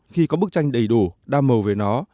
khi có bức tranh đầy đủ đa màu về nó